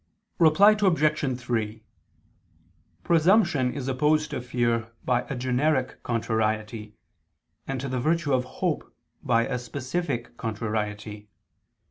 Reply Obj. 3: Presumption is opposed to fear by a generic contrariety, and to the virtue of hope by a specific contrariety.